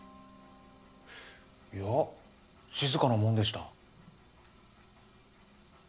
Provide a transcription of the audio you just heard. いや静かなもんでした。